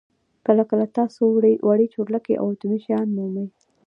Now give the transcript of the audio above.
کله کله تاسو وړې چورلکې او اټومي شیان مومئ